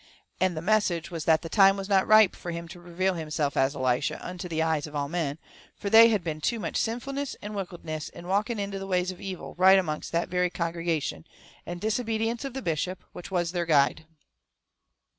And the message was that the time was not ripe fur him to reveal himself as Elishyah unto the eyes of all men, fur they had been too much sinfulness and wickedness and walking into the ways of evil, right amongst that very congregation, and disobedience of the bishop, which was their guide.